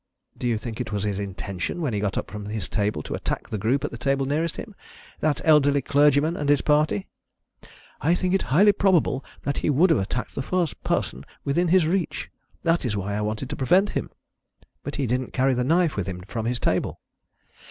"Do you think it was his intention, when he got up from his table, to attack the group at the table nearest him that elderly clergyman and his party?" "I think it highly probable that he would have attacked the first person within his reach that is why I wanted to prevent him." "But he didn't carry the knife with him from his table."